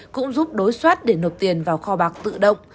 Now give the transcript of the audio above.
cũng giúp đối soát để nộp tiền vào kho bạc tự động